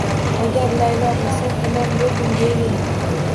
Agar Laylo bilsa, tamom bo`ldim, deyavering